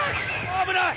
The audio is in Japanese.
危ない！